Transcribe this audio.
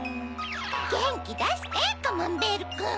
ゲンキだしてカマンベールくん。